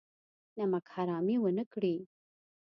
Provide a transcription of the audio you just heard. نمک حرامي ونه کړي.